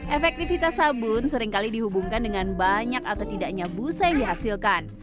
efektivitas sabun seringkali dihubungkan dengan banyak atau tidaknya busa yang dihasilkan